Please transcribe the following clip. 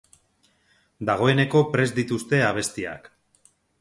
Dagoeneko prest dituzte abestiak.